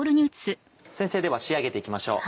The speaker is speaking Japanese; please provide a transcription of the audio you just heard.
先生では仕上げて行きましょう。